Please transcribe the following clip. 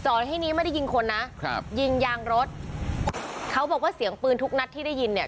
ที่นี้ไม่ได้ยิงคนนะครับยิงยางรถเขาบอกว่าเสียงปืนทุกนัดที่ได้ยินเนี่ย